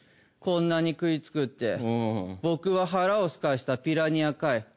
こんなに食いつくって僕は腹をすかしたピラニアかい。